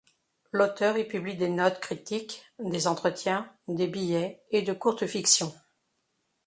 L’auteur y publie des notes critiques, des entretiens, des billets et de courtes fictions.